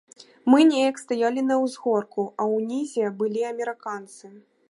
Мы неяк стаялі на ўзгорку, а ўнізе былі амерыканцы.